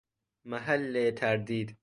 محل تردید